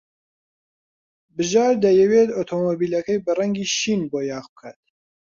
بژار دەیەوێت ئۆتۆمۆبیلەکەی بە ڕەنگی شین بۆیاغ بکات.